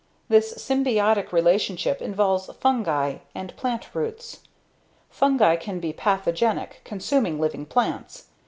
This symbiotic relationship involves fungi and plant roots. Fungi can be pathogenic, consuming living plants.